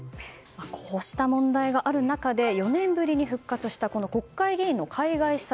こうした問題がある中で４年ぶりに復活した国会議員の海外視察。